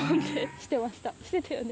してたよね？